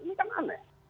ini kan aneh